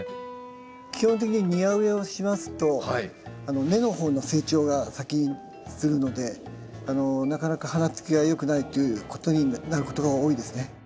基本的に庭植えをしますと根の方の成長が先にするのでなかなか花つきが良くないということになることが多いですね。